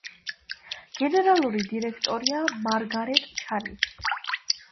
გენერალური დირექტორია მარგარეტ ჩანი.